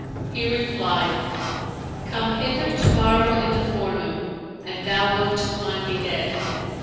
He replied, Come hither to morrow in the forenoon and thou wilt find me dead.